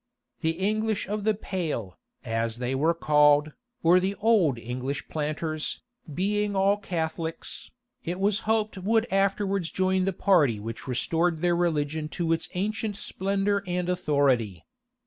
The English of the pale, as they were called, or the old English planters, being all Catholics, it was hoped would afterwards join the party which restored their religion to its ancient splendor and authority.